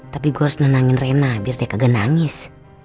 tapi gue harus nenangin rena biar dia kagak nangis